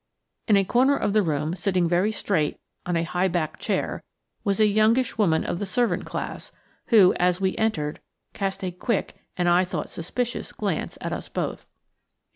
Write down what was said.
In a corner of the room, sitting very straight on a high backed chair, was a youngish woman of the servant class, who, as we entered, cast a quick, and I thought suspicious, glance at us both.